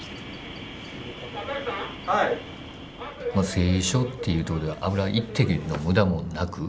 製油所っていうとこでは油一滴の無駄もなく。